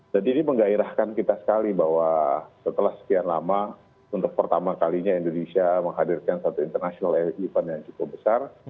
ini menggairahkan kita sekali bahwa setelah sekian lama untuk pertama kalinya indonesia menghadirkan satu international air event yang cukup besar